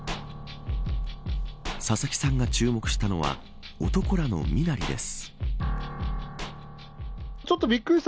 佐々木さんが注目したのは男らの身なりです。